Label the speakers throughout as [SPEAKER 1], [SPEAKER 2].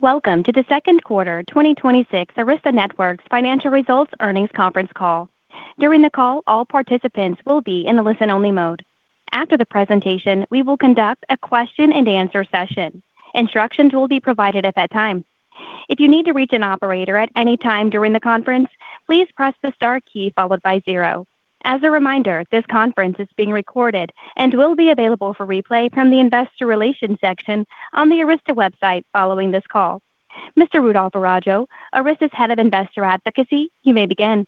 [SPEAKER 1] Welcome to the second quarter 2026 Arista Networks financial results earnings conference call. During the call, all participants will be in the listen-only mode. After the presentation, we will conduct a question and answer session. Instructions will be provided at that time. If you need to reach an operator at any time during the conference, please press the star key followed by zero. As a reminder, this conference is being recorded and will be available for replay from the investor relations section on the Arista website following this call. Mr. Rudolph Araujo, Arista's Head of Investor Advocacy, you may begin.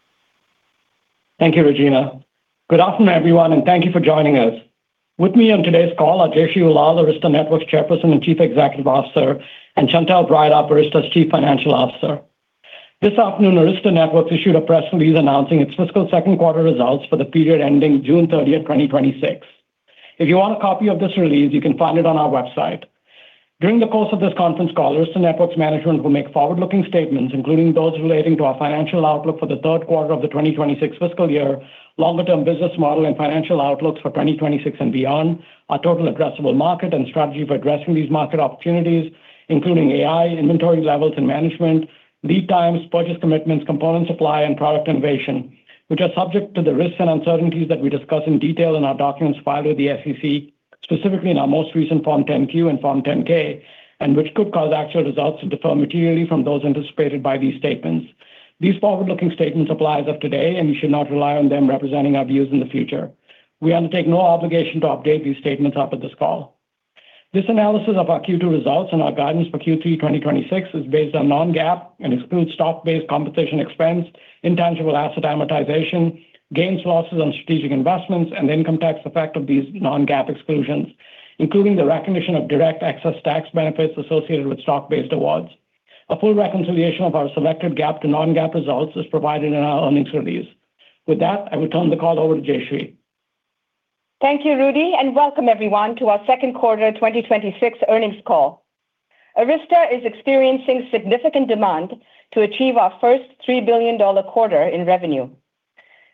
[SPEAKER 2] Thank you, Regina. Good afternoon, everyone. Thank you for joining us. With me on today's call are Jayshree Ullal, Arista Networks Chairperson and Chief Executive Officer, and Chantelle Breithaupt, Arista's Chief Financial Officer. This afternoon, Arista Networks issued a press release announcing its fiscal second quarter results for the period ending June 30th, 2026. If you want a copy of this release, you can find it on our website. During the course of this conference call, Arista Networks management will make forward-looking statements, including those relating to our financial outlook for the third quarter of the 2026 fiscal year, longer-term business model and financial outlooks for 2026 and beyond, our total addressable market and strategy for addressing these market opportunities, including AI, inventory levels and management, lead times, purchase commitments, component supply and product innovation, which are subject to the risks and uncertainties that we discuss in detail in our documents filed with the SEC, specifically in our most recent Form 10-Q and Form 10-K, which could cause actual results to differ materially from those anticipated by these statements. These forward-looking statements apply as of today. You should not rely on them representing our views in the future. We undertake no obligation to update these statements after this call. This analysis of our Q2 results and our guidance for Q3 2026 is based on non-GAAP and excludes stock-based compensation expense, intangible asset amortization, gains/losses on strategic investments, and the income tax effect of these non-GAAP exclusions, including the recognition of direct access tax benefits associated with stock-based awards. A full reconciliation of our selected GAAP to non-GAAP results is provided in our earnings release. With that, I will turn the call over to Jayshree.
[SPEAKER 3] Thank you, Rudy, and welcome everyone to our second quarter 2026 earnings call. Arista is experiencing significant demand to achieve our first $3 billion quarter in revenue.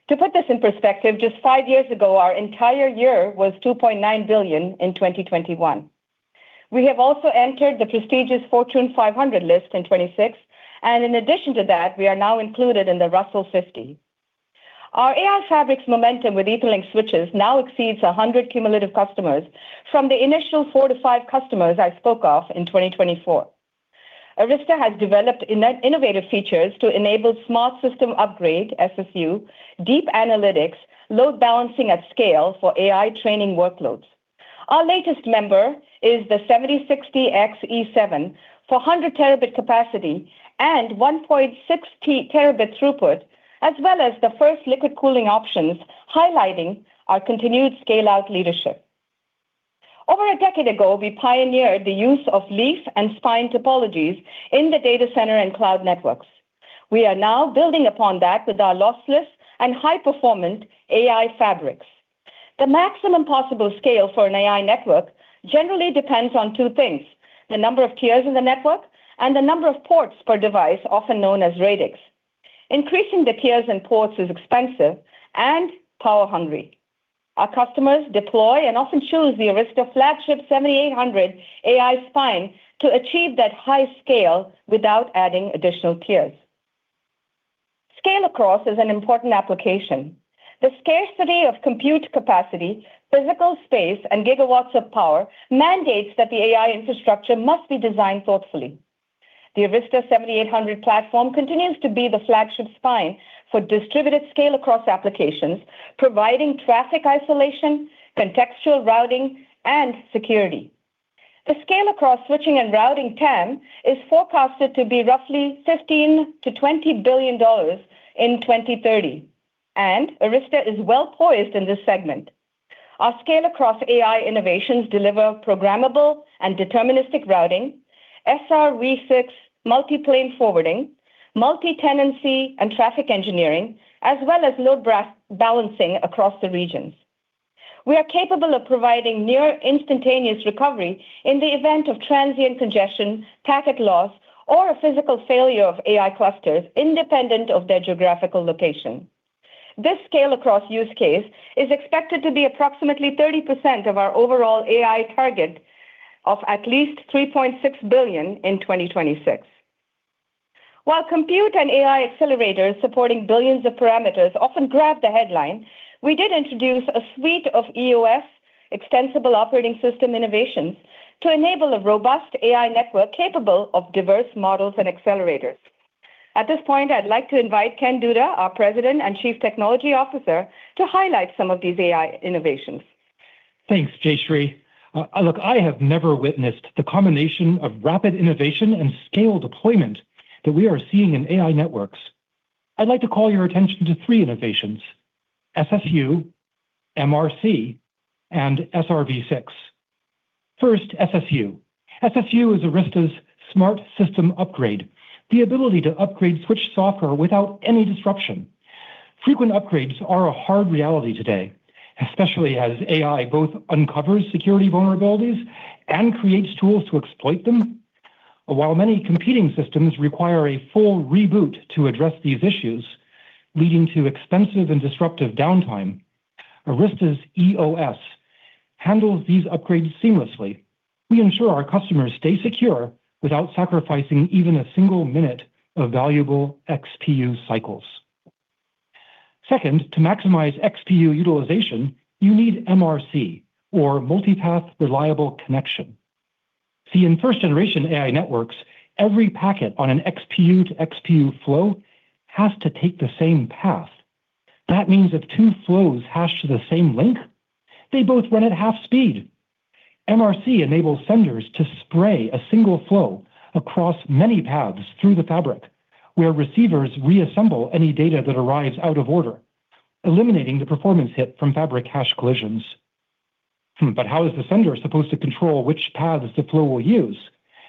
[SPEAKER 3] To put this in perspective, just five years ago, our entire year was $2.9 billion in 2021. We have also entered the prestigious Fortune 500 list in 2026, and in addition to that, we are now included in the Russell 50. Our AI fabrics momentum with Etherlink switches now exceeds 100 cumulative customers from the initial four to five customers I spoke of in 2024. Arista has developed innovative features to enable Smart System Upgrade, SSU, deep analytics, load balancing at scale for AI training workloads. Our latest member is the 7060X-E7 for 100 terabit capacity and 1.6 terabit throughput, as well as the first liquid cooling options, highlighting our continued scale-out leadership. Over a decade ago, we pioneered the use of leaf and spine topologies in the data center and cloud networks. We are now building upon that with our lossless and high-performance AI fabrics. The maximum possible scale for an AI network generally depends on two things, the number of tiers in the network and the number of ports per device, often known as radix. Increasing the tiers and ports is expensive and power hungry. Our customers deploy and often choose the Arista flagship 7800 AI spine to achieve that high scale without adding additional tiers. Scale-across is an important application. The scarcity of compute capacity, physical space, and gigawatts of power mandates that the AI infrastructure must be designed thoughtfully. The Arista 7800 platform continues to be the flagship spine for distributed scale-across applications, providing traffic isolation, contextual routing, and security. The scale-across switching and routing TAM is forecasted to be roughly $15 billion-$20 billion in 2030. Arista is well-poised in this segment. Our scale-across AI innovations deliver programmable and deterministic routing, SRv6 multi-plane forwarding, multi-tenancy and traffic engineering, as well as load balancing across the regions. We are capable of providing near instantaneous recovery in the event of transient congestion, packet loss, or a physical failure of AI clusters independent of their geographical location. This scale-across use case is expected to be approximately 30% of our overall AI target of at least $3.6 billion in 2026. While compute and AI accelerators supporting billions of parameters often grab the headline, we did introduce a suite of EOS, Extensible Operating System innovations to enable a robust AI network capable of diverse models and accelerators. At this point, I'd like to invite Ken Duda, our President and Chief Technology Officer, to highlight some of these AI innovations.
[SPEAKER 4] Thanks, Jayshree. I have never witnessed the combination of rapid innovation and scale deployment that we are seeing in AI networks. I'd like to call your attention to three innovations: SSU, MRC, and SRv6. First, SSU. SSU is Arista's Smart System Upgrade, the ability to upgrade switch software without any disruption. Frequent upgrades are a hard reality today, especially as AI both uncovers security vulnerabilities and creates tools to exploit them. While many competing systems require a full reboot to address these issues, leading to expensive and disruptive downtime, Arista's EOS handles these upgrades seamlessly. We ensure our customers stay secure without sacrificing even a single minute of valuable XPU cycles. Second, to maximize XPU utilization, you need MRC, or Multipath Reliable Connection. See, in first-generation AI networks, every packet on an XPU-to-XPU flow has to take the same path. That means if two flows hash to the same link, they both run at half speed. MRC enables senders to spray a single flow across many paths through the fabric, where receivers reassemble any data that arrives out of order, eliminating the performance hit from fabric hash collisions. How is the sender supposed to control which paths the flow will use?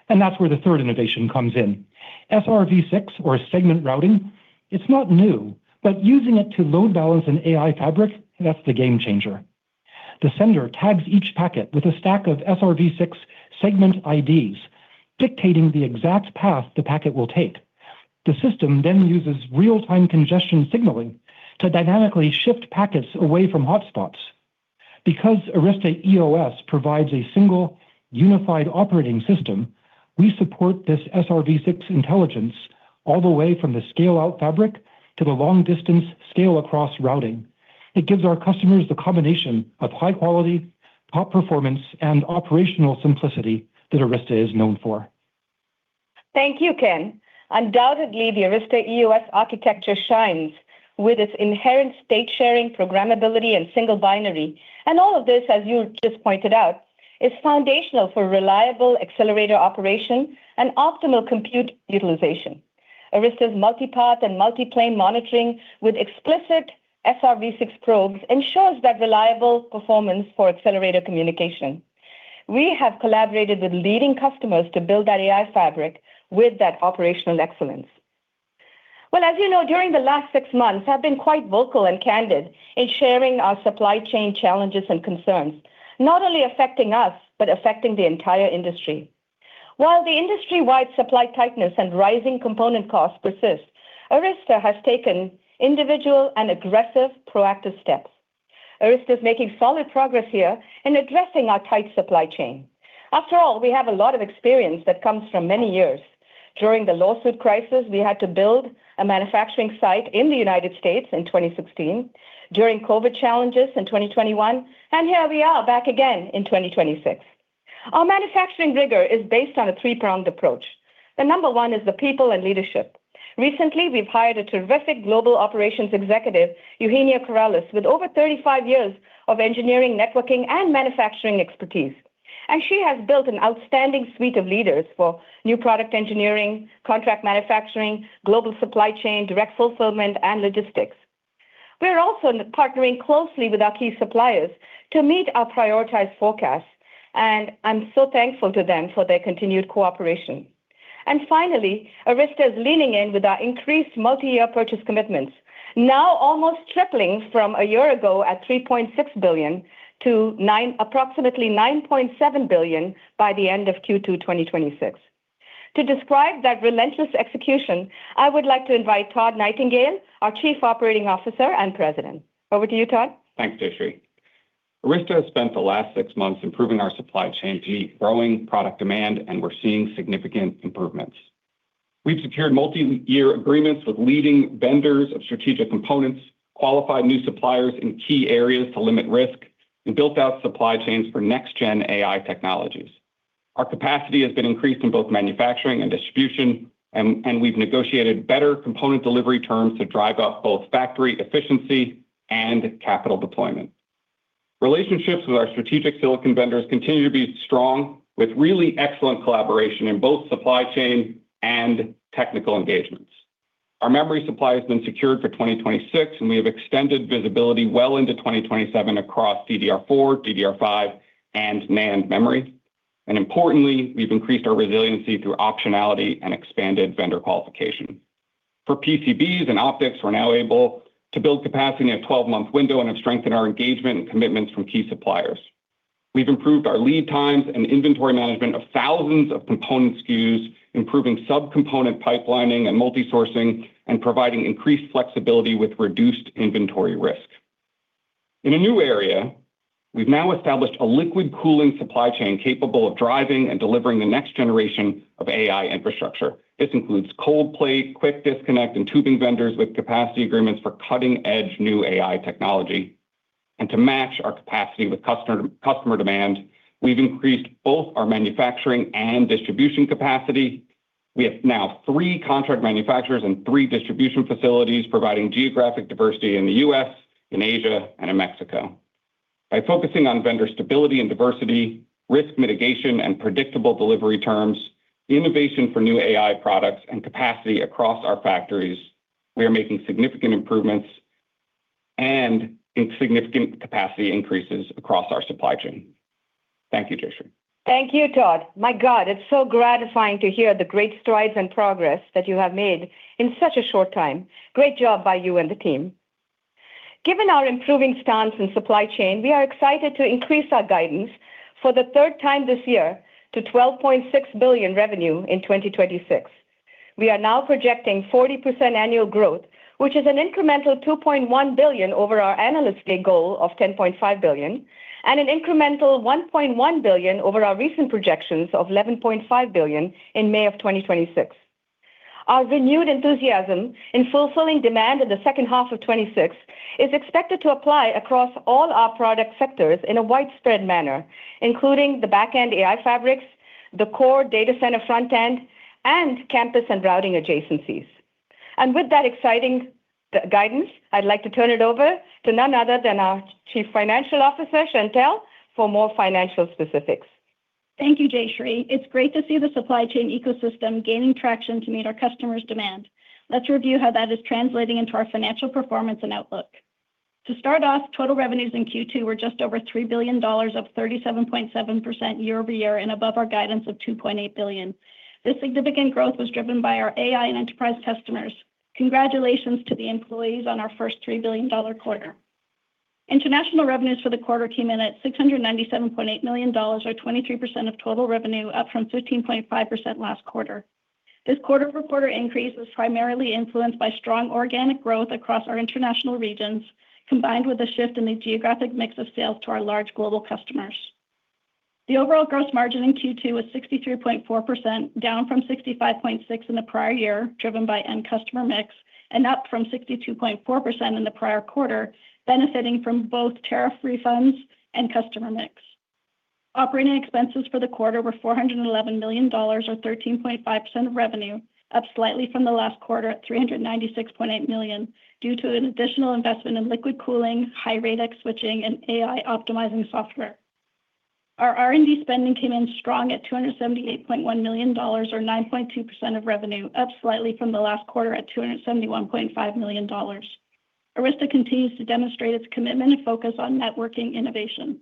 [SPEAKER 4] That's where the third innovation comes in. SRv6 or Segment Routing, it's not new, but using it to load balance an AI fabric, that's the game changer. The sender tags each packet with a stack of SRv6 segment IDs, dictating the exact path the packet will take. The system then uses real-time congestion signaling to dynamically shift packets away from hotspots. Because Arista EOS provides a single unified operating system, we support this SRv6 intelligence all the way from the scale-out fabric to the long-distance scale-across routing. It gives our customers the combination of high quality, top performance, and operational simplicity that Arista is known for.
[SPEAKER 3] Thank you, Ken. Undoubtedly, the Arista EOS architecture shines with its inherent state sharing, programmability, and single binary. All of this, as you just pointed out, is foundational for reliable accelerator operation and optimal compute utilization. Arista's multi-path and multi-plane monitoring with explicit SRv6 probes ensures that reliable performance for accelerator communication. We have collaborated with leading customers to build that AI fabric with that operational excellence. As you know, during the last six months, I've been quite vocal and candid in sharing our supply chain challenges and concerns, not only affecting us, but affecting the entire industry. While the industry-wide supply tightness and rising component costs persist, Arista has taken individual and aggressive proactive steps. Arista is making solid progress here in addressing our tight supply chain. After all, we have a lot of experience that comes from many years. During the lawsuit crisis, we had to build a manufacturing site in the U.S. in 2016, during COVID challenges in 2021, and here we are back again in 2026. Our manufacturing rigor is based on a three-pronged approach. The number one is the people and leadership. Recently, we've hired a terrific global operations executive, Eugenia Corrales, with over 35 years of engineering, networking, and manufacturing expertise. She has built an outstanding suite of leaders for new product engineering, contract manufacturing, global supply chain, direct fulfillment, and logistics. We are also partnering closely with our key suppliers to meet our prioritized forecasts, and I'm so thankful to them for their continued cooperation. Finally, Arista is leaning in with our increased multi-year purchase commitments, now almost tripling from a year ago at $3.6 billion to approximately $9.7 billion by the end of Q2 2026. To describe that relentless execution, I would like to invite Todd Nightingale, our Chief Operating Officer and President. Over to you, Todd.
[SPEAKER 5] Thanks, Jayshree. Arista has spent the last six months improving our supply chain to meet growing product demand, and we're seeing significant improvements. We've secured multi-year agreements with leading vendors of strategic components, qualified new suppliers in key areas to limit risk, and built out supply chains for next-gen AI technologies. Our capacity has been increased in both manufacturing and distribution, and we've negotiated better component delivery terms to drive up both factory efficiency and capital deployment. Relationships with our strategic silicon vendors continue to be strong, with really excellent collaboration in both supply chain and technical engagements. Our memory supply has been secured for 2026, and we have extended visibility well into 2027 across DDR4, DDR5, and NAND memory. Importantly, we've increased our resiliency through optionality and expanded vendor qualification. For PCBs and optics, we're now able to build capacity in a 12-month window and have strengthened our engagement and commitments from key suppliers. We've improved our lead times and inventory management of thousands of component SKUs, improving sub-component pipelining and multi-sourcing, and providing increased flexibility with reduced inventory risk. In a new area, we've now established a liquid cooling supply chain capable of driving and delivering the next generation of AI infrastructure. This includes cold plate, quick disconnect, and tubing vendors with capacity agreements for cutting-edge new AI technology. To match our capacity with customer demand, we've increased both our manufacturing and distribution capacity. We have now three contract manufacturers and three distribution facilities providing geographic diversity in the U.S., in Asia, and in Mexico. By focusing on vendor stability and diversity, risk mitigation, and predictable delivery terms, innovation for new AI products, and capacity across our factories, we are making significant improvements and significant capacity increases across our supply chain. Thank you, Jayshree.
[SPEAKER 3] Thank you, Todd. My God, it's so gratifying to hear the great strides and progress that you have made in such a short time. Great job by you and the team. Given our improving stance in supply chain, we are excited to increase our guidance for the third time this year to $12.6 billion revenue in 2026. We are now projecting 40% annual growth, which is an incremental $2.1 billion over our Analyst Day goal of $10.5 billion, and an incremental $1.1 billion over our recent projections of $11.5 billion in May of 2026. Our renewed enthusiasm in fulfilling demand in the second half of 2026 is expected to apply across all our product sectors in a widespread manner, including the backend AI fabrics, the core data center frontend, and campus and routing adjacencies. With that exciting guidance, I'd like to turn it over to none other than our Chief Financial Officer, Chantelle, for more financial specifics.
[SPEAKER 6] Thank you, Jayshree. It's great to see the supply chain ecosystem gaining traction to meet our customers' demand. Let's review how that is translating into our financial performance and outlook. To start off, total revenues in Q2 were just over $3 billion, up 37.7% year-over-year and above our guidance of $2.8 billion. This significant growth was driven by our AI and enterprise customers. Congratulations to the employees on our first $3 billion quarter. International revenues for the quarter came in at $697.8 million, or 23% of total revenue, up from 13.5% last quarter. This quarter-over-quarter increase was primarily influenced by strong organic growth across our international regions, combined with a shift in the geographic mix of sales to our large global customers. The overall gross margin in Q2 was 63.4%, down from 65.6% in the prior year, driven by end customer mix, and up from 62.4% in the prior quarter, benefiting from both tariff refunds and customer mix. Operating expenses for the quarter were $411 million, or 13.5% of revenue, up slightly from the last quarter at $396.8 million due to an additional investment in liquid cooling, high Radix switching, and AI optimizing software. Our R&D spending came in strong at $278.1 million, or 9.2% of revenue, up slightly from the last quarter at $271.5 million. Arista continues to demonstrate its commitment and focus on networking innovation.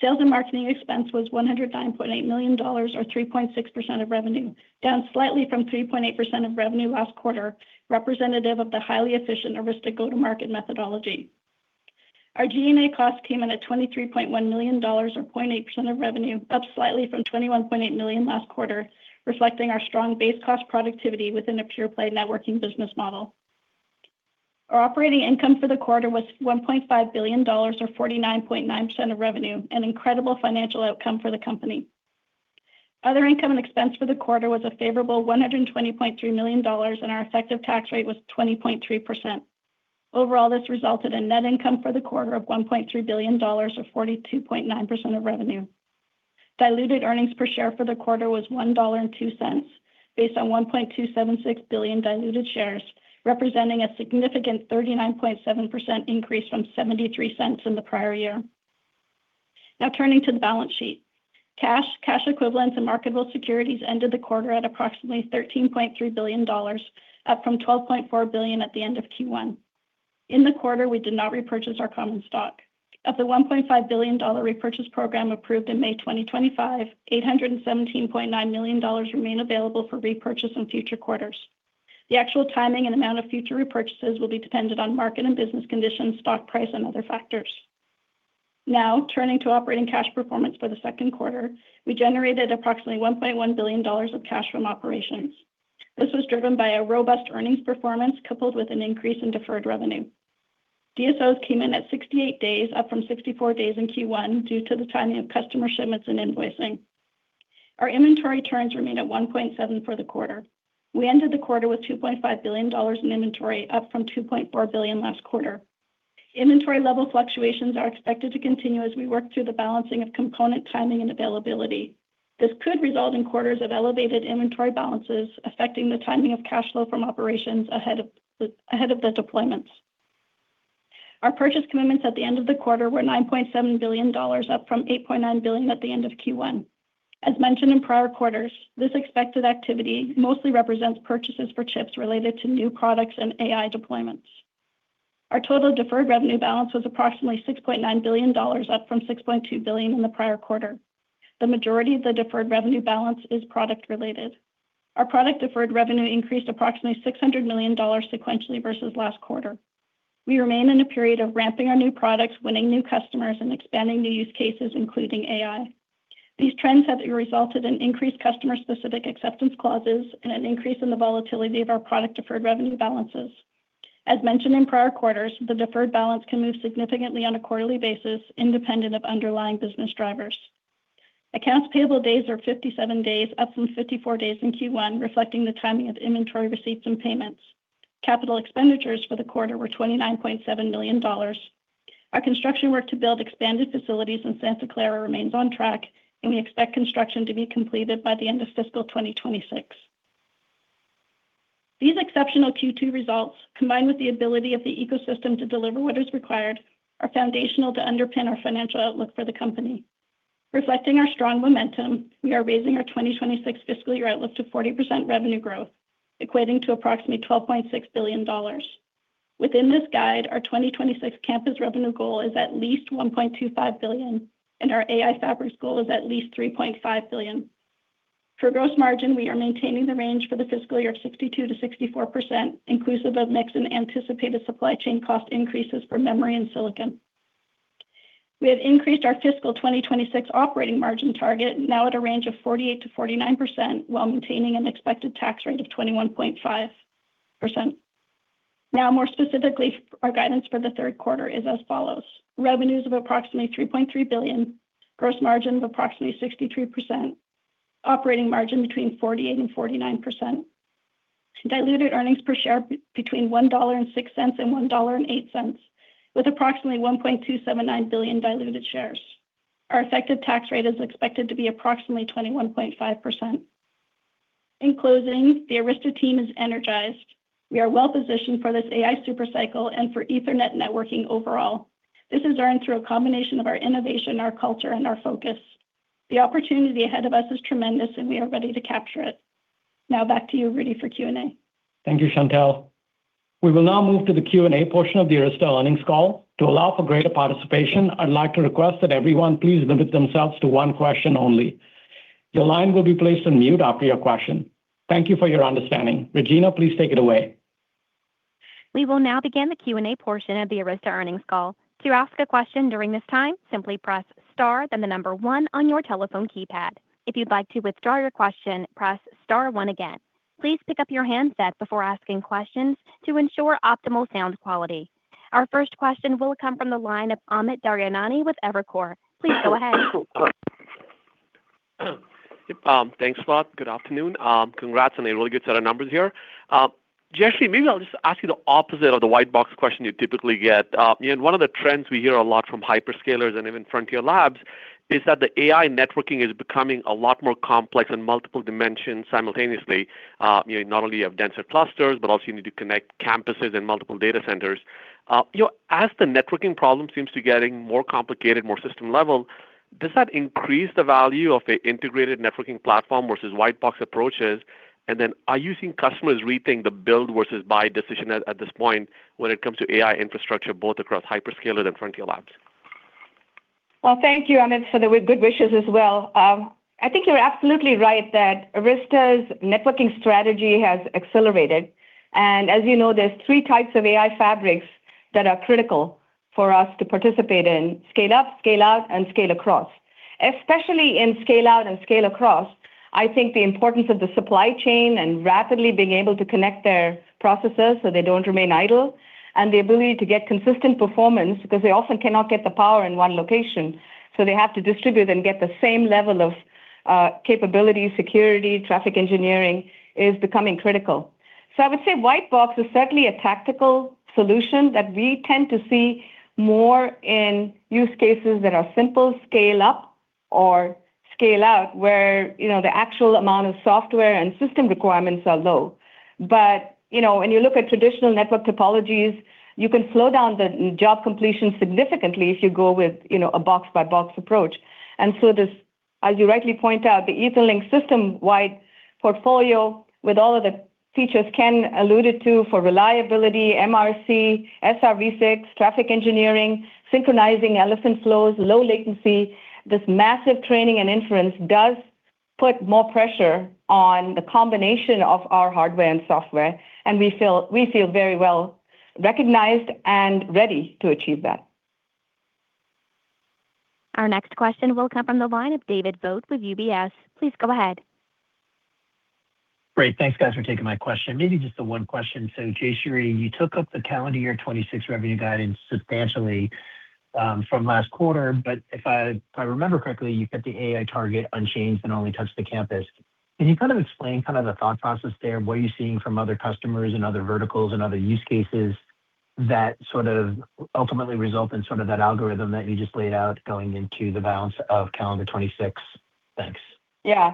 [SPEAKER 6] Sales and marketing expense was $109.8 million, or 3.6% of revenue, down slightly from 3.8% of revenue last quarter, representative of the highly efficient Arista go-to-market methodology. Our G&A costs came in at $23.1 million, or 0.8% of revenue, up slightly from $21.8 million last quarter, reflecting our strong base cost productivity within a pure-play networking business model. Our operating income for the quarter was $1.5 billion or 49.9% of revenue, an incredible financial outcome for the company. Other income and expense for the quarter was a favorable $120.3 million, and our effective tax rate was 20.3%. Overall, this resulted in net income for the quarter of $1.3 billion or 42.9% of revenue. Diluted earnings per share for the quarter was $1.02, based on 1.276 billion diluted shares, representing a significant 39.7% increase from $0.73 in the prior year. Now turning to the balance sheet. Cash, cash equivalents, and marketable securities ended the quarter at approximately $13.3 billion, up from $12.4 billion at the end of Q1. In the quarter, we did not repurchase our common stock. Of the $1.5 billion repurchase program approved in May 2025, $817.9 million remain available for repurchase in future quarters. The actual timing and amount of future repurchases will be dependent on market and business conditions, stock price, and other factors. Now, turning to operating cash performance for the second quarter, we generated approximately $1.1 billion of cash from operations. This was driven by a robust earnings performance, coupled with an increase in deferred revenue. DSOs came in at 68 days, up from 64 days in Q1 due to the timing of customer shipments and invoicing. Our inventory turns remain at 1.7 for the quarter. We ended the quarter with $2.5 billion in inventory, up from $2.4 billion last quarter. Inventory level fluctuations are expected to continue as we work through the balancing of component timing and availability. This could result in quarters of elevated inventory balances affecting the timing of cash flow from operations ahead of the deployments. Our purchase commitments at the end of the quarter were $9.7 billion, up from $8.9 billion at the end of Q1. As mentioned in prior quarters, this expected activity mostly represents purchases for chips related to new products and AI deployments. Our total deferred revenue balance was approximately $6.9 billion, up from $6.2 billion in the prior quarter. The majority of the deferred revenue balance is product related. Our product deferred revenue increased approximately $600 million sequentially versus last quarter. We remain in a period of ramping our new products, winning new customers, and expanding new use cases, including AI. These trends have resulted in increased customer-specific acceptance clauses and an increase in the volatility of our product deferred revenue balances. As mentioned in prior quarters, the deferred balance can move significantly on a quarterly basis independent of underlying business drivers. Accounts payable days are 57 days, up from 54 days in Q1, reflecting the timing of inventory receipts and payments. Capital expenditures for the quarter were $29.7 million. Our construction work to build expanded facilities in Santa Clara remains on track, and we expect construction to be completed by the end of fiscal 2026. These exceptional Q2 results, combined with the ability of the ecosystem to deliver what is required, are foundational to underpin our financial outlook for the company. Reflecting our strong momentum, we are raising our 2026 fiscal year outlook to 40% revenue growth, equating to approximately $12.6 billion. Within this guide, our 2026 campus revenue goal is at least $1.25 billion, and our AI Fabrics goal is at least $3.5 billion. Gross margin, we are maintaining the range for the fiscal year of 62%-64%, inclusive of mix and anticipated supply chain cost increases for memory and silicon. We have increased our fiscal 2026 operating margin target now at a range of 48%-49%, while maintaining an expected tax rate of 21.5%. More specifically, our guidance for the third quarter is as follows. Revenues of approximately $3.3 billion. Gross margin of approximately 63%. Operating margin between 48%-49%. Diluted earnings per share between $1.06-$1.08 with approximately 1.279 billion diluted shares. Our effective tax rate is expected to be approximately 21.5%. In closing, the Arista team is energized. We are well-positioned for this AI super cycle and for Ethernet networking overall. This is earned through a combination of our innovation, our culture, and our focus. The opportunity ahead of us is tremendous. We are ready to capture it. Back to you, Rudy, for Q&A.
[SPEAKER 2] Thank you, Chantelle. We will now move to the Q&A portion of the Arista earnings call. To allow for greater participation, I'd like to request that everyone please limit themselves to one question only. Your line will be placed on mute after your question. Thank you for your understanding. Regina, please take it away.
[SPEAKER 1] We will now begin the Q&A portion of the Arista earnings call. To ask a question during this time, simply press star then the number one on your telephone keypad. If you'd like to withdraw your question, press star one again. Please pick up your handset before asking questions to ensure optimal sound quality. Our first question will come from the line of Amit Daryanani with Evercore. Please go ahead.
[SPEAKER 7] Thanks a lot. Good afternoon. Congrats on a really good set of numbers here. Jayshree, maybe I'll just ask you the opposite of the white box question you typically get. One of the trends we hear a lot from hyperscalers and even frontier labs is that the AI networking is becoming a lot more complex and multiple dimensions simultaneously. You not only have denser clusters, but also you need to connect campuses and multiple data centers. As the networking problem seems to be getting more complicated, more system level, does that increase the value of the integrated networking platform versus white box approaches? Are you seeing customers rethink the build versus buy decision at this point when it comes to AI infrastructure, both across hyperscaler and frontier labs?
[SPEAKER 3] Well, thank you, Amit, for the good wishes as well. I think you're absolutely right that Arista's networking strategy has accelerated. As you know, there's three types of AI fabrics that are critical for us to participate in, scale up, scale out, and scale across. Especially in scale out and scale across, I think the importance of the supply chain and rapidly being able to connect their processes so they don't remain idle, and the ability to get consistent performance because they often cannot get the power in one location, so they have to distribute and get the same level of capability, security, traffic engineering is becoming critical. I would say white box is certainly a tactical solution that we tend to see more in use cases that are simple scale up or scale out, where the actual amount of software and system requirements are low. When you look at traditional network topologies, you can slow down the job completion significantly if you go with a box by box approach. As you rightly point out, the EtherLink system-wide portfolio with all of the features Ken alluded to for reliability, MRC, SRv6, traffic engineering, synchronizing elephant flows, low latency, this massive training and inference does put more pressure on the combination of our hardware and software, and we feel very well recognized and ready to achieve that.
[SPEAKER 1] Our next question will come from the line of David Vogt with UBS. Please go ahead.
[SPEAKER 8] Great. Thanks, guys, for taking my question. Maybe just the one question. Jayshree, you took up the calendar year 2026 revenue guidance substantially from last quarter. If I remember correctly, you kept the AI target unchanged and only touched the campus. Can you explain the thought process there, what you're seeing from other customers and other verticals and other use cases that ultimately result in that algorithm that you just laid out going into the balance of calendar 2026? Thanks.
[SPEAKER 3] Yeah.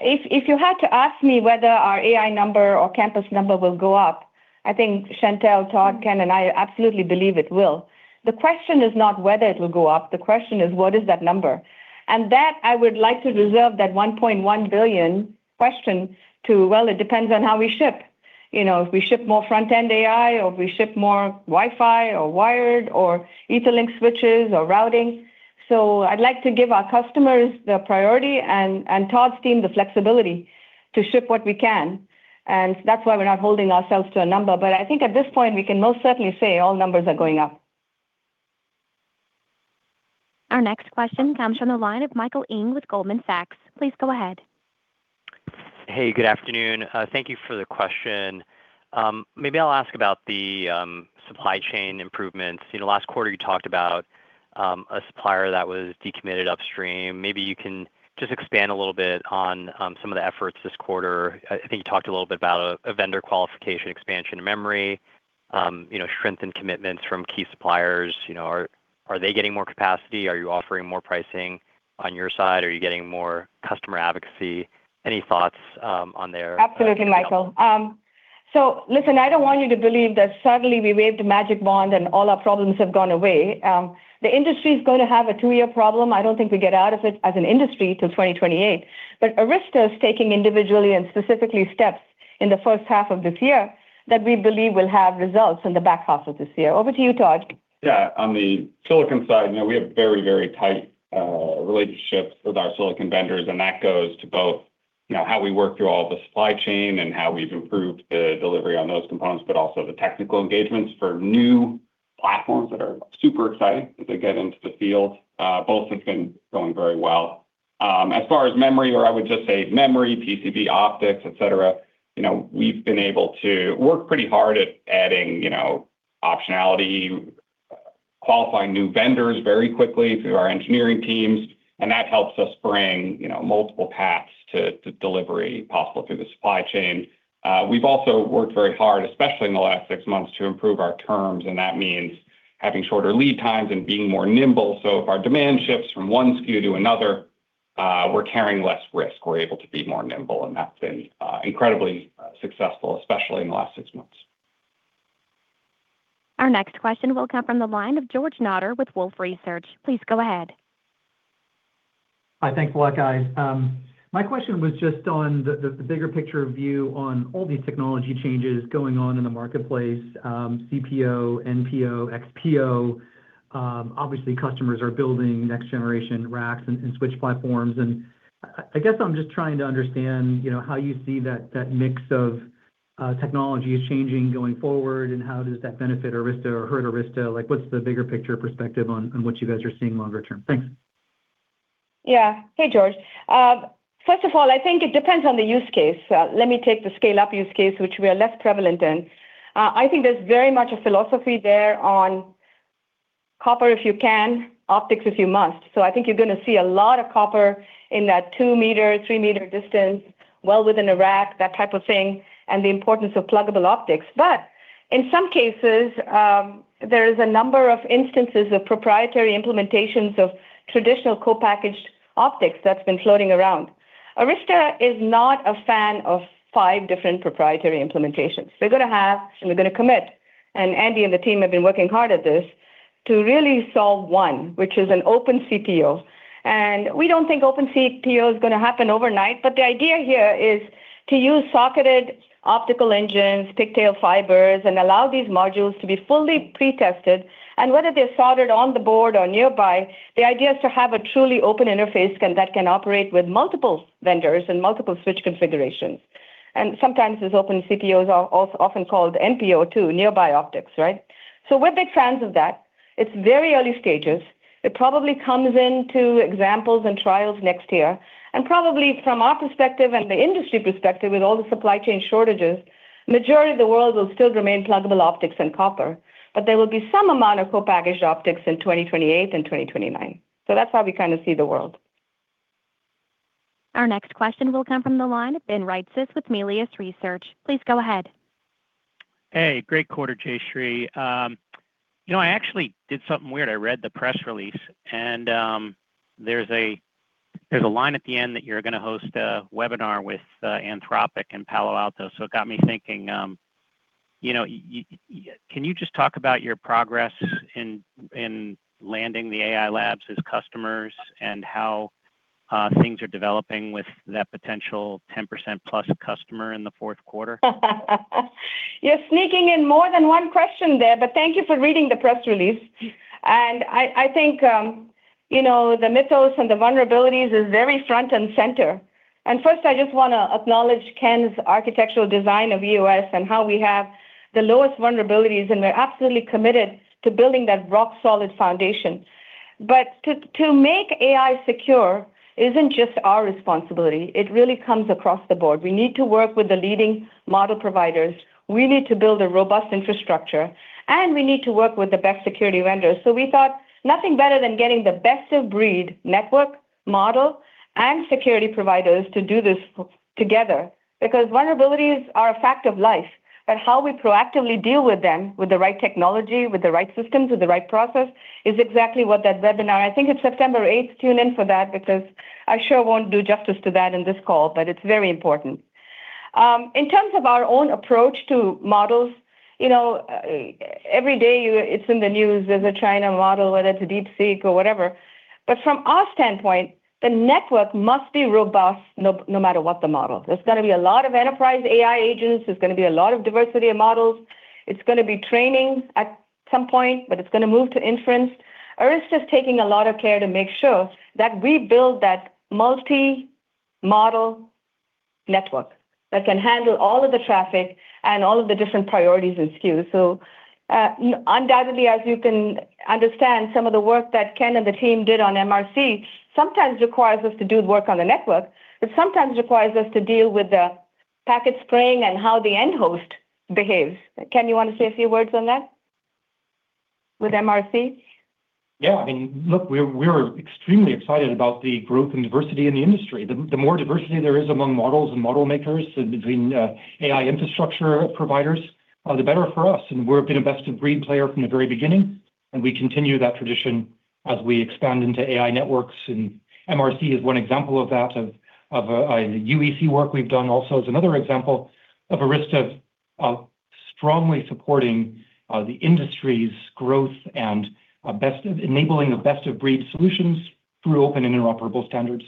[SPEAKER 3] If you had to ask me whether our AI number or campus number will go up, I think Chantelle, Todd, Ken, and I absolutely believe it will. The question is not whether it will go up. The question is what is that number? That I would like to reserve that $1.1 billion question to, well, it depends on how we ship. If we ship more front end AI or if we ship more Wi-Fi or wired or Etherlink switches or routing. I'd like to give our customers the priority and Todd's team the flexibility to ship what we can. That's why we're not holding ourselves to a number. I think at this point, we can most certainly say all numbers are going up.
[SPEAKER 1] Our next question comes from the line of Michael Ng with Goldman Sachs. Please go ahead.
[SPEAKER 9] Hey, good afternoon. Thank you for the question. Maybe I'll ask about the supply chain improvements. Last quarter you talked about a supplier that was decommitted upstream. Maybe you can just expand a little bit on some of the efforts this quarter. I think you talked a little bit about a vendor qualification expansion memory, strengthened commitments from key suppliers. Are they getting more capacity? Are you offering more pricing on your side? Are you getting more customer advocacy? Any thoughts on there.
[SPEAKER 3] Absolutely, Michael. Listen, I don't want you to believe that suddenly we waved a magic wand and all our problems have gone away. The industry is going to have a two-year problem. I don't think we get out of it as an industry till 2028. Arista is taking individually and specifically steps in the first half of this year that we believe will have results in the back half of this year. Over to you, Todd.
[SPEAKER 5] Yeah. On the silicon side, we have very, very tight relationships with our silicon vendors, and that goes to both how we work through all the supply chain and how we've improved the delivery on those components, but also the technical engagements for new platforms that are super exciting as they get into the field. Both have been going very well. As far as memory, or I would just say memory, PCB, optics, etc., we've been able to work pretty hard at adding optionality, qualifying new vendors very quickly through our engineering teams, and that helps us bring multiple paths to delivery possible through the supply chain. We've also worked very hard, especially in the last six months, to improve our terms, and that means having shorter lead times and being more nimble. If our demand shifts from one SKU to another, we're carrying less risk. We're able to be more nimble, and that's been incredibly successful, especially in the last six months.
[SPEAKER 1] Our next question will come from the line of George Notter with Wolfe Research. Please go ahead.
[SPEAKER 10] Hi, thanks a lot, guys. My question was just on the bigger picture view on all these technology changes going on in the marketplace, CPO, NPO, XPO. Obviously, customers are building next generation racks and switch platforms. I guess I'm just trying to understand how you see that mix of technologies changing going forward and how does that benefit Arista or hurt Arista? What's the bigger picture perspective on what you guys are seeing longer term? Thanks.
[SPEAKER 3] Yeah. Hey, George. First of all, I think it depends on the use case. Let me take the scale-up use case, which we are less prevalent in. I think there's very much a philosophy there on copper if you can, optics if you must. I think you're going to see a lot of copper in that two-meter, three-meter distance, well within a rack, that type of thing, and the importance of pluggable optics. In some cases, there is a number of instances of proprietary implementations of traditional co-packaged optics that's been floating around. Arista is not a fan of five different proprietary implementations. We're going to have, and we're going to commit, and Andy and the team have been working hard at this, to really solve one, which is an open CPO. We don't think open CPO is going to happen overnight, but the idea here is to use socketed optical engines, pigtail fibers, and allow these modules to be fully pre-tested. Whether they're soldered on the board or nearby, the idea is to have a truly open interface that can operate with multiple vendors and multiple switch configurations. Sometimes these open CPOs are often called NPO too, nearby optics, right? We're big fans of that. It's very early stages. It probably comes into examples and trials next year. Probably from our perspective and the industry perspective, with all the supply chain shortages, majority of the world will still remain pluggable optics and copper. There will be some amount of co-packaged optics in 2028 and 2029. That's how we see the world.
[SPEAKER 1] Our next question will come from the line of Ben Reitzes with Melius Research. Please go ahead.
[SPEAKER 11] Hey, great quarter, Jayshree. I actually did something weird. I read the press release, and there's a line at the end that you're going to host a webinar with Anthropic in Palo Alto. It got me thinking. Can you just talk about your progress in landing the AI labs as customers and how things are developing with that potential 10% plus customer in the fourth quarter?
[SPEAKER 3] You're sneaking in more than one question there, thank you for reading the press release. I think the mythos and the vulnerabilities is very front and center. First, I just want to acknowledge Ken's architectural design of EOS and how we have the lowest vulnerabilities, and we're absolutely committed to building that rock-solid foundation. To make AI secure isn't just our responsibility. It really comes across the board. We need to work with the leading model providers, we need to build a robust infrastructure, and we need to work with the best security vendors. We thought nothing better than getting the best of breed network, model, and security providers to do this together. Vulnerabilities are a fact of life, how we proactively deal with them with the right technology, with the right systems, with the right process is exactly what that webinar, I think it's September 8th, tune in for that because I sure won't do justice to that in this call, it's very important. In terms of our own approach to models, every day it's in the news. There's a China model, whether it's a DeepSeek or whatever. From our standpoint, the network must be robust no matter what the model is. There's going to be a lot of enterprise AI agents, there's going to be a lot of diversity of models. It's going to be training at some point, it's going to move to inference. Arista's taking a lot of care to make sure that we build that multi-model network that can handle all of the traffic and all of the different priorities and SKUs. Undoubtedly, as you can understand, some of the work that Ken and the team did on MRC sometimes requires us to do work on the network, but sometimes requires us to deal with the packet spraying and how the end host behaves. Ken, you want to say a few words on that with MRC?
[SPEAKER 4] Look, we're extremely excited about the growth and diversity in the industry. The more diversity there is among models and model makers and between AI infrastructure providers, the better for us. We've been a best of breed player from the very beginning, and we continue that tradition as we expand into AI networks. MRC is one example of that. UEC work we've done also is another example of Arista strongly supporting the industry's growth and enabling the best of breed solutions through open, interoperable standards.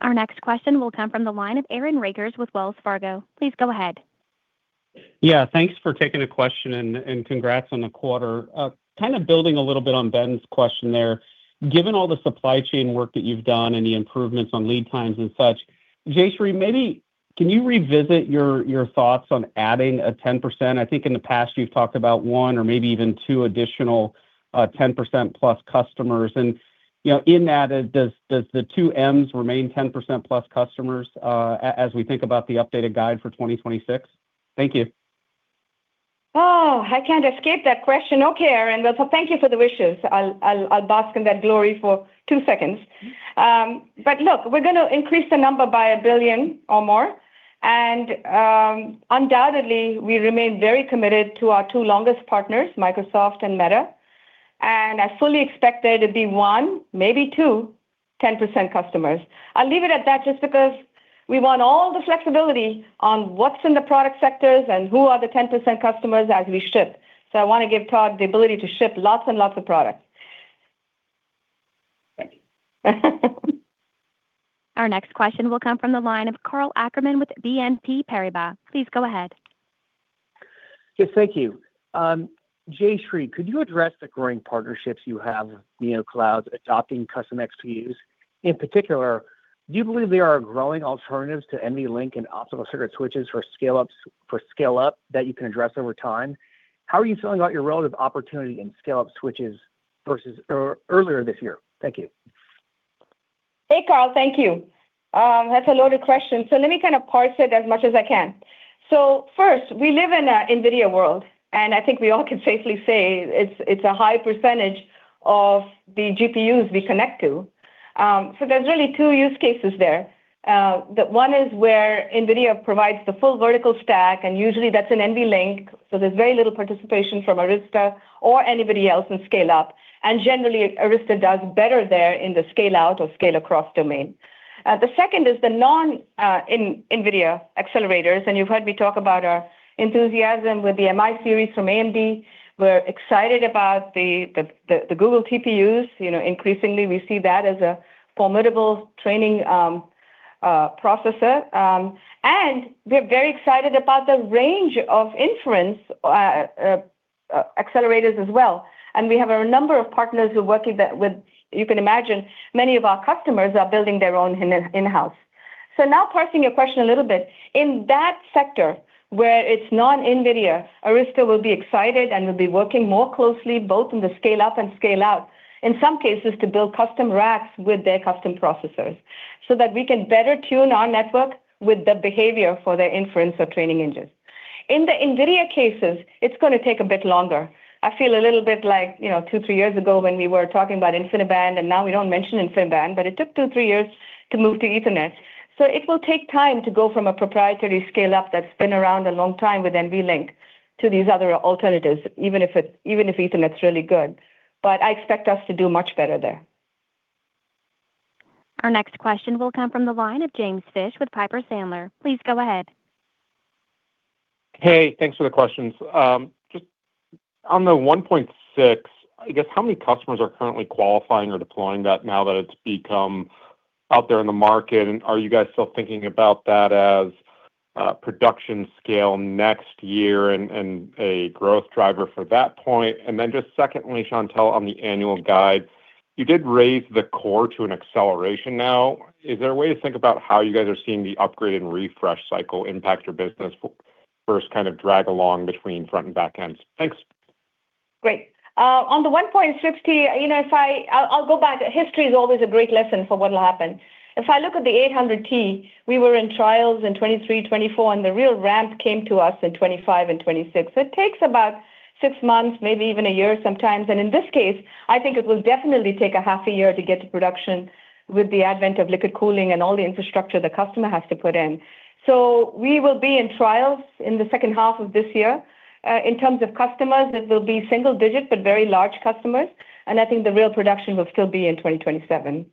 [SPEAKER 1] Our next question will come from the line of Aaron Rakers with Wells Fargo. Please go ahead.
[SPEAKER 12] Thanks for taking the question, and congrats on the quarter. Kind of building a little bit on Ben's question there, given all the supply chain work that you've done and the improvements on lead times and such, Jayshree, maybe can you revisit your thoughts on adding a 10%? I think in the past you've talked about one or maybe even two additional 10%+ customers. In that, does the two Ms remain 10%+ customers as we think about the updated guide for 2026? Thank you.
[SPEAKER 3] I can't escape that question. Aaron. Thank you for the wishes. I'll bask in that glory for two seconds. We're going to increase the number by $1 billion or more, and undoubtedly we remain very committed to our two longest partners, Microsoft and Meta, and I fully expect there to be one, maybe two 10% customers. I'll leave it at that just because we want all the flexibility on what's in the product sectors and who are the 10% customers as we ship. I want to give Todd the ability to ship lots and lots of products.
[SPEAKER 12] Thank you.
[SPEAKER 1] Our next question will come from the line of Karl Ackerman with BNP Paribas. Please go ahead.
[SPEAKER 13] Yes, thank you. Jayshree, could you address the growing partnerships you have with neo clouds adopting custom XPUs? In particular, do you believe they are a growing alternatives to NVLink and optimal circuit switches for scale up that you can address over time? How are you feeling about your relative opportunity in scale up switches versus earlier this year? Thank you.
[SPEAKER 3] Hey, Karl. Thank you. That's a loaded question, let me kind of parse it as much as I can. First, we live in a NVIDIA world, and I think we all can safely say it's a high percentage of the GPUs we connect to. There's really two use cases there. One is where NVIDIA provides the full vertical stack, and usually that's an NVLink, there's very little participation from Arista or anybody else in scale up, and generally, Arista does better there in the scale out or scale across domain. The second is the non-NVIDIA accelerators, and you've heard me talk about our enthusiasm with the MI series from AMD. We're excited about the Google TPUs. Increasingly, we see that as a formidable training processor. We're very excited about the range of inference accelerators as well, and we have a number of partners who are working that with You can imagine many of our customers are building their own in-house. Now parsing your question a little bit, in that sector where it's non-NVIDIA, Arista will be excited and will be working more closely both in the scale up and scale out, in some cases to build custom racks with their custom processors so that we can better tune our network with the behavior for their inference or training engines. In the NVIDIA cases, it's going to take a bit longer. I feel a little bit like two, three years ago when we were talking about InfiniBand, and now we don't mention InfiniBand, but it took two, three years to move to Ethernet. It will take time to go from a proprietary scale-up that's been around a long time with NVLink to these other alternatives, even if Ethernet's really good. I expect us to do much better there.
[SPEAKER 1] Our next question will come from the line of James Fish with Piper Sandler. Please go ahead.
[SPEAKER 14] Hey, thanks for the questions. Just on the 1.6, I guess how many customers are currently qualifying or deploying that now that it's become out there in the market? Are you guys still thinking about that as production scale next year and a growth driver for that point? Just secondly, Chantelle, on the annual guide, you did raise the core to an acceleration now. Is there a way to think about how you guys are seeing the upgrade and refresh cycle impact your business first kind of drag along between front and back ends? Thanks.
[SPEAKER 3] Great. On the 1.6, I'll go back. History is always a great lesson for what'll happen. If I look at the 800T, we were in trials in 2023, 2024, the real ramp came to us in 2025 and 2026. It takes about six months, maybe even one year sometimes. In this case, I think it will definitely take a half a year to get to production with the advent of liquid cooling and all the infrastructure the customer has to put in. We will be in trials in the second half of this year. In terms of customers, it will be single digit, but very large customers, I think the real production will still be in 2027.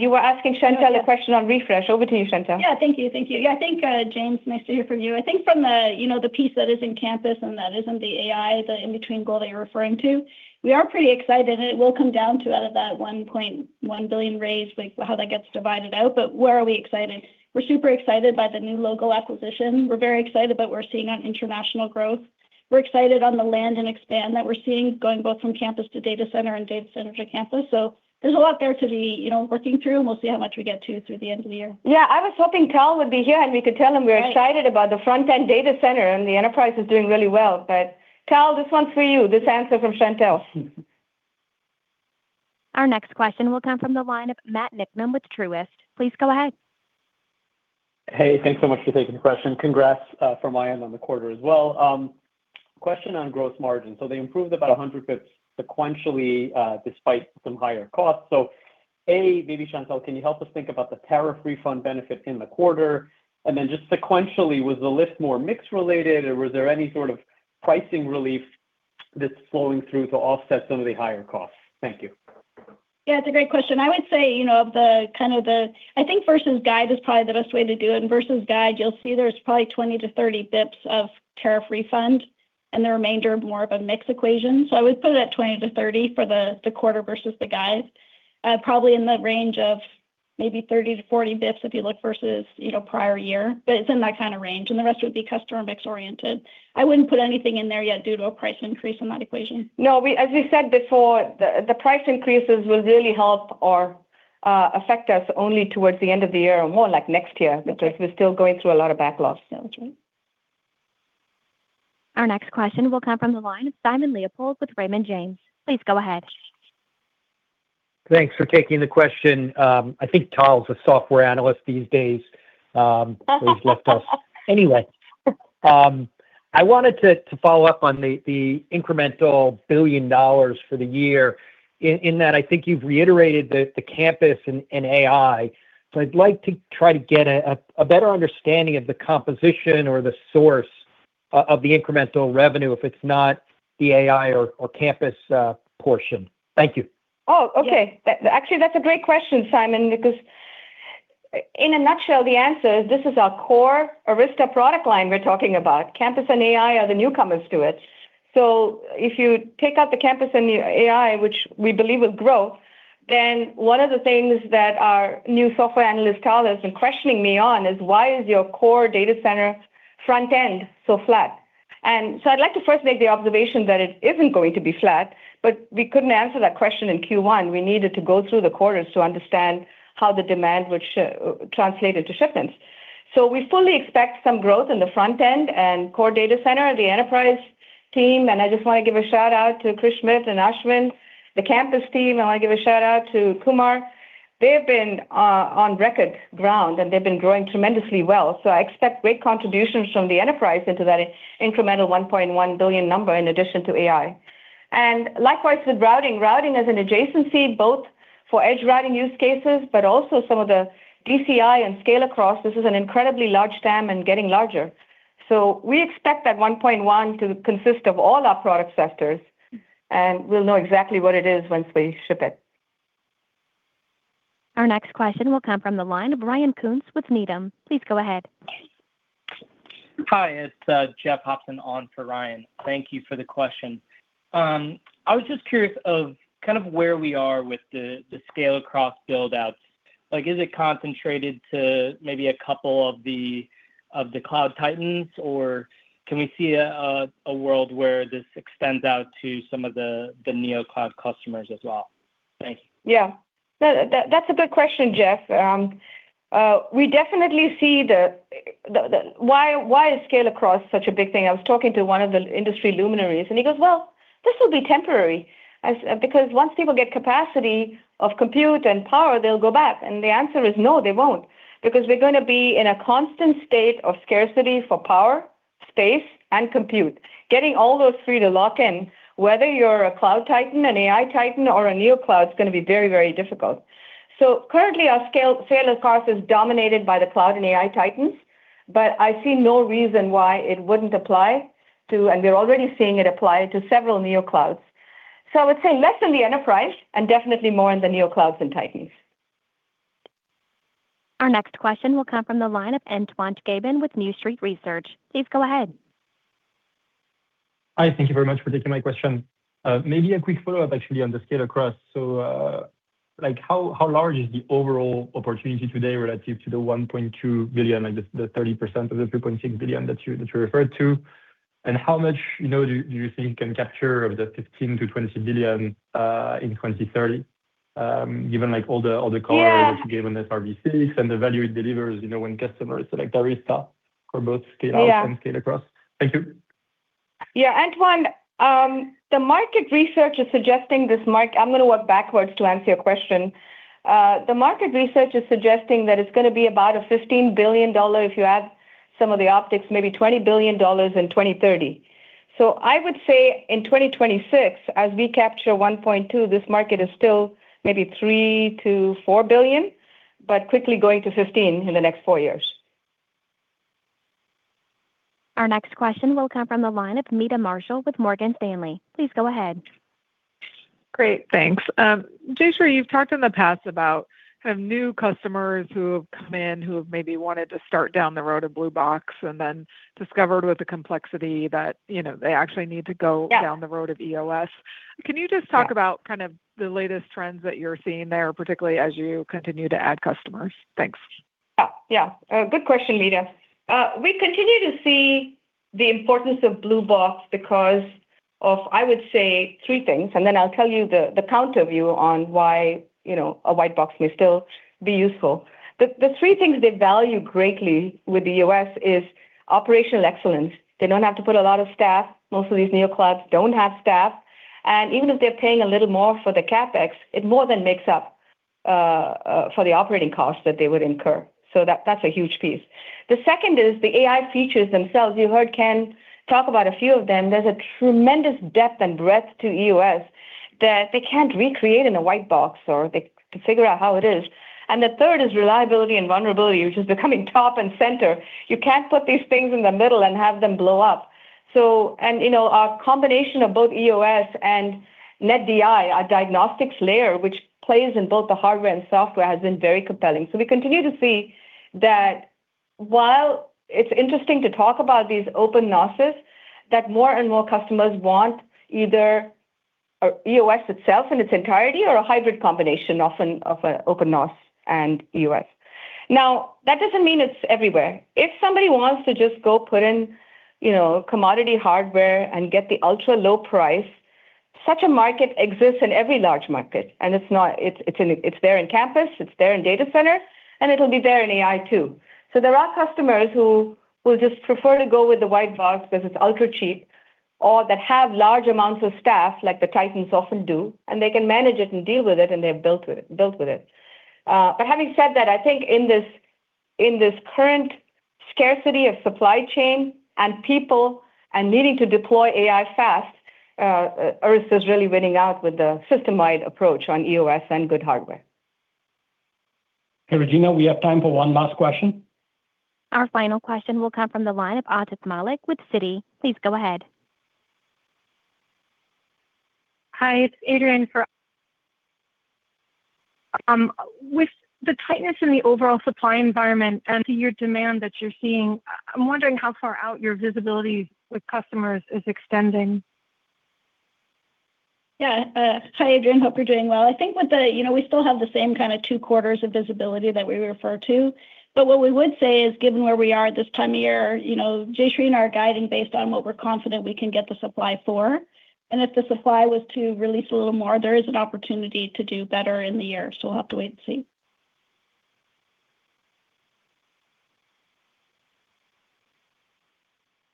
[SPEAKER 3] You were asking Chantelle a question on refresh. Over to you, Chantelle.
[SPEAKER 6] Thank you. I think, James, nice to hear from you. From the piece that is in campus and that isn't the AI, the in-between goal that you're referring to, we are pretty excited, and it will come down to out of that $1.1 billion raise, like how that gets divided out. Where are we excited? We're super excited by the new logo acquisition. We're very excited about what we're seeing on international growth. We're excited on the land and expand that we're seeing going both from campus to data center and data center to campus. There's a lot there to be working through, and we'll see how much we get to through the end of the year.
[SPEAKER 3] I was hoping Cal would be here, and we could tell him we're excited-
[SPEAKER 6] Right.
[SPEAKER 3] about the front end data center, the enterprise is doing really well. Cal, this one's for you, this answer from Chantelle.
[SPEAKER 1] Our next question will come from the line of Matt Niknam with Truist. Please go ahead.
[SPEAKER 15] Hey, thanks so much for taking the question. Congrats from my end on the quarter as well. Question on gross margin. They improved about 100 basis points sequentially despite some higher costs. A, maybe Chantelle, can you help us think about the tariff refund benefit in the quarter? Then just sequentially, was the lift more mix related, or was there any sort of pricing relief that's flowing through to offset some of the higher costs? Thank you.
[SPEAKER 6] Yeah, it's a great question. I would say, I think versus guide is probably the best way to do it. Versus guide, you'll see there's probably 20-30 basis points of tariff refund, and the remainder more of a mix equation. I would put it at 20-30 for the quarter versus the guide. Probably in the range of maybe 30-40 basis points if you look versus prior year, it's in that kind of range. The rest would be customer mix-oriented. I wouldn't put anything in there yet due to a price increase on that equation.
[SPEAKER 3] As we said before, the price increases will really help or affect us only towards the end of the year or more like next year.
[SPEAKER 6] Okay.
[SPEAKER 3] We're still going through a lot of backlogs.
[SPEAKER 6] That's right.
[SPEAKER 1] Our next question will come from the line of Simon Leopold with Raymond James. Please go ahead.
[SPEAKER 16] Thanks for taking the question. I think Tyler's a software analyst these days, but he's left us. I wanted to follow up on the incremental $1 billion for the year, in that I think you've reiterated the campus and AI. I'd like to try to get a better understanding of the composition or the source of the incremental revenue if it's not the AI or campus portion. Thank you.
[SPEAKER 3] Oh, okay.
[SPEAKER 6] Yes.
[SPEAKER 3] Actually, that's a great question, Simon, because in a nutshell, the answer is this is our core Arista product line we're talking about. Campus and AI are the newcomers to it. If you take out the campus and the AI, which we believe will grow, one of the things that our new software analyst, Tyler, has been questioning me on is why is your core data center front end so flat? I'd like to first make the observation that it isn't going to be flat, but we couldn't answer that question in Q1. We needed to go through the quarters to understand how the demand would translate into shipments. We fully expect some growth in the front end and core data center, the enterprise team. I just want to give a shout-out to Chris Schmidt and Ashwin. The campus team, I want to give a shout-out to Kumar. They've been on record ground, and they've been growing tremendously well. I expect great contributions from the enterprise into that incremental $1.1 billion number in addition to AI. Likewise with routing. Routing as an adjacency, both for edge routing use cases, but also some of the DCI and scale across. This is an incredibly large TAM and getting larger. We expect that $1.1 to consist of all our product sectors, and we'll know exactly what it is once we ship it.
[SPEAKER 1] Our next question will come from the line of Ryan Koontz with Needham. Please go ahead.
[SPEAKER 17] Hi, it's Jeff Hopson on for Ryan. Thank you for the question. I was just curious of where we are with the scale across build-outs. Is it concentrated to maybe a couple of the cloud titans, or can we see a world where this extends out to some of the neo cloud customers as well? Thank you.
[SPEAKER 3] Yeah. That's a good question, Jeff. We definitely see why is scale across such a big thing? I was talking to one of the industry luminaries, he goes, "Well, this will be temporary, because once people get capacity of compute and power, they'll go back." The answer is no, they won't, because we're going to be in a constant state of scarcity for power, space, and compute. Getting all those three to lock in, whether you're a cloud titan, an AI titan, or a neo cloud, it's going to be very, very difficult. Currently, our scale of cost is dominated by the cloud and AI titans, but I see no reason why it wouldn't apply to, and we're already seeing it apply to several neo clouds. I would say less in the enterprise and definitely more in the neo clouds and titans.
[SPEAKER 1] Our next question will come from the line of Antoine Chkaiban with New Street Research. Please go ahead.
[SPEAKER 18] Hi, thank you very much for taking my question. Maybe a quick follow-up actually on the scale across. How large is the overall opportunity today relative to the $1.2 billion, like the 30% of the $3.6 billion that you referred to? How much do you think you can capture of the $15 billion-$20 billion in 2030, given all the color-
[SPEAKER 3] Yeah.
[SPEAKER 18] that you gave on the SRv6 and the value it delivers when customers select Arista for both scale-out-
[SPEAKER 3] Yeah.
[SPEAKER 18] and scale across. Thank you.
[SPEAKER 3] Yeah, Antoine, the market research is suggesting this, Mark. I'm going to work backwards to answer your question. The market research is suggesting that it's going to be about a $15 billion, if you add some of the optics, maybe $20 billion in 2030. I would say in 2026, as we capture 1.2, this market is still maybe $3 billion-$4 billion, but quickly going to $15 billion in the next four years.
[SPEAKER 1] Our next question will come from the line of Meta Marshall with Morgan Stanley. Please go ahead.
[SPEAKER 19] Great, thanks. Jayshree, you've talked in the past about new customers who have come in who have maybe wanted to start down the road of blue box and then discovered with the complexity that they actually need to go-
[SPEAKER 3] Yeah.
[SPEAKER 19] down the road of EOS. Can you just talk about the latest trends that you're seeing there, particularly as you continue to add customers? Thanks.
[SPEAKER 3] Yeah. Good question, Meta. We continue to see the importance of blue box because of, I would say, three things. Then I'll tell you the counterview on why a white box may still be useful. The three things they value greatly with EOS is operational excellence. They don't have to put a lot of staff. Most of these neo clouds don't have staff. Even if they're paying a little more for the CapEx, it more than makes up for the operating costs that they would incur. That's a huge piece. The second is the AI features themselves. You heard Ken talk about a few of them. There's a tremendous depth and breadth to EOS that they can't recreate in a white box, or they can figure out how it is. The third is reliability and vulnerability, which is becoming top and center. You can't put these things in the middle and have them blow up. Our combination of both EOS and NetDI, our diagnostics layer, which plays in both the hardware and software, has been very compelling. We continue to see that while it's interesting to talk about these OpenNOSes, that more and more customers want either EOS itself in its entirety or a hybrid combination, often of OpenNOS and EOS. That doesn't mean it's everywhere. If somebody wants to just go put in commodity hardware and get the ultra-low price, such a market exists in every large market, and it's there in campus, it's there in data center, and it'll be there in AI too. There are customers who will just prefer to go with the white box because it's ultra-cheap, or that have large amounts of staff like the Titans often do, and they can manage it and deal with it, and they've built with it. Having said that, I think in this current scarcity of supply chain and people and needing to deploy AI fast, Arista's really winning out with the system-wide approach on EOS and good hardware.
[SPEAKER 2] Hey, Regina, we have time for one last question.
[SPEAKER 1] Our final question will come from the line of Atif Malik with Citi. Please go ahead.
[SPEAKER 20] Hi, it's Adrienne. With the tightness in the overall supply environment and to your demand that you're seeing, I'm wondering how far out your visibility with customers is extending.
[SPEAKER 6] Yeah. Hi, Adrienne. Hope you're doing well. I think we still have the same kind of two quarters of visibility that we refer to. What we would say is, given where we are this time of year, Jayshree and I are guiding based on what we're confident we can get the supply for. If the supply was to release a little more, there is an opportunity to do better in the year. We'll have to wait and see.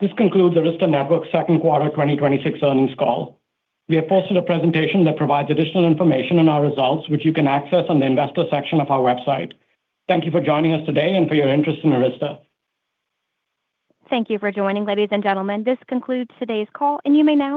[SPEAKER 2] This concludes Arista Networks' second quarter 2026 earnings call. We have posted a presentation that provides additional information on our results, which you can access on the investor section of our website. Thank you for joining us today and for your interest in Arista.
[SPEAKER 1] Thank you for joining, ladies and gentlemen. This concludes today's call.